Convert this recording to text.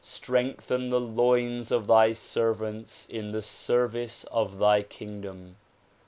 Strengthen the loins of thy servants in the service of thy kingdom.